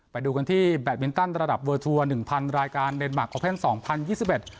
ไปดูกันที่แบทวินตันระดับเวอร์ทัวร์๑๐๐๐รายการเดนมาร์คประเภท๒๐๒๑